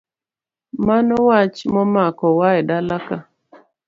Mano wach momako wa edalaka.